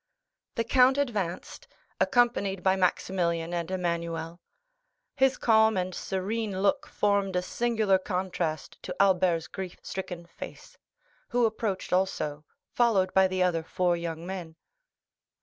The count advanced, accompanied by Maximilian and Emmanuel. His calm and serene look formed a singular contrast to Albert's grief stricken face, who approached also, followed by the other four young men.